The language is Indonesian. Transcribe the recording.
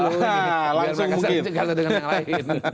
biar mereka sering cengkak dengan yang lain